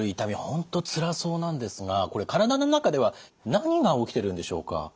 本当つらそうなんですがこれ体の中では何が起きてるんでしょうか？